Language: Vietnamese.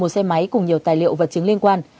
một xe máy cùng nhiều tài liệu vật chứng liên quan